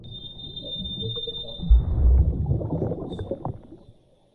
অতুলপ্রসাদের গান দেখুন অতুলপ্রসাদ সেন।